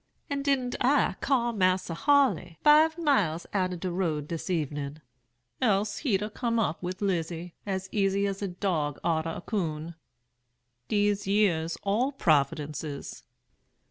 And didn't I car Mas'r Haley five miles out of de road dis evening? else he'd a come up with Lizy, as easy as a dog arter a coon. Dese yere's all providences!'